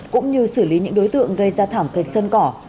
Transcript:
cũng như xử lý những đối tượng gây ra thảm kịch sơn cỏ